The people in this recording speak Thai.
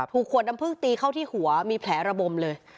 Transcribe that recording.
ขวดน้ำพึ่งตีเข้าที่หัวมีแผลระบมเลย